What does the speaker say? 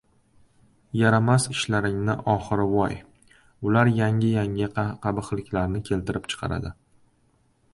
Yaramas ishlarning oxiri voy: ular yangi-yangi qabihliklarni keltirib chiqaradi.